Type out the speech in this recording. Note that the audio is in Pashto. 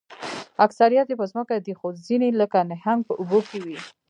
اکثریت یې په ځمکه دي خو ځینې لکه نهنګ په اوبو کې وي